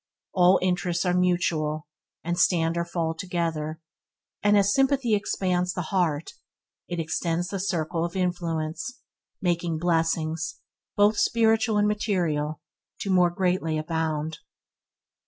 All interests are mutual, and stand or fall together, and as sympathy expands the heart, it extends the circle of influence, making blessings, both spiritual and material, to more greatly abound.